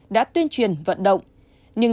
đã tuyên truyền vận động nhưng